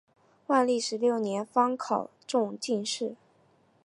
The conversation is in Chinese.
万历十六年方考中进士。